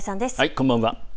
こんばんは。